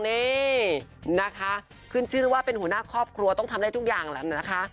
นี่นะคะขึ้นชื่อว่าเป็นหัวหน้าครอบครัวต้องทำได้ทุกอย่างแล้วนะคะ